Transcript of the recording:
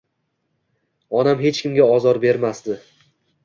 Onam hech kimga ozor bermasdi.